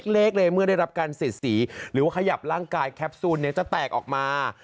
เล็กเลยเมื่อได้รับการเสียดสีหรือว่าขยับร่างกายแคปซูลจะแตกออกมา